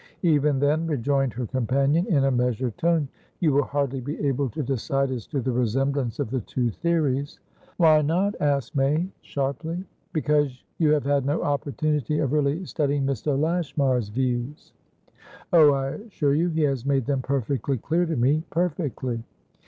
"Even then," rejoined her companion, in a measured tone, "you will hardly be able to decide as to the resemblance of the two theories." "Why not?" asked May, sharply. "Because you have had no opportunity of really studying Mr. Lashmar's views." "Oh, I assure you he has made them perfectly clear to meperfectly."